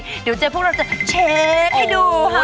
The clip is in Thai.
เดี๋ยวเจ๊พวกเราจะเช็คให้ดูค่ะ